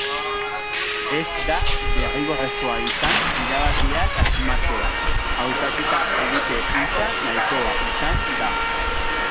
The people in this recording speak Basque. Ez da derrigorrezkoa izan irabazleak asmatzea, hautaketa egite hutsa nahikoa izan da.